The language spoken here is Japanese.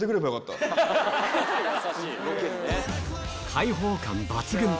開放感抜群！